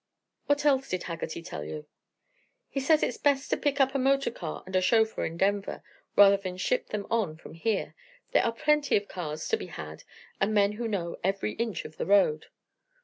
What else did Haggerty tell you?" "He says it's best to pick up a motor car and a chauffeur in Denver, rather than ship them on from here. There are plenty of cars to be had, and men who know every inch of the road."